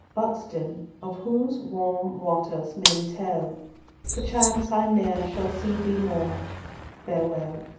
(Buxton of whose warm waters men tell, Perchance I ne'er shall see thee more, Farewell.)